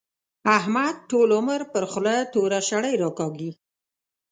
احمد ټول عمر پر خوله توره شړۍ راکاږي.